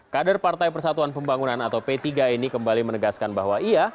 kader partai persatuan pembangunan atau p tiga ini kembali menegaskan bahwa iya